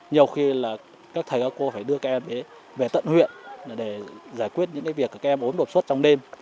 nhiều khi là các thầy các cô phải đưa các em về tận huyện để giải quyết những việc các em ốm đột xuất trong đêm